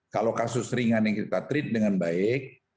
kalau kasus ringan yang kita treat dengan baik